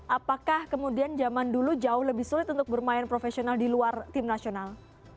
apakah kemudian zaman dulu jauh lebih sulit untuk bermain profesional di luar tim nasional